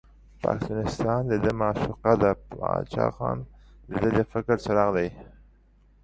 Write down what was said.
پښتونستان دده معشوقه ده، باچا خان دده د فکر څراغ دی.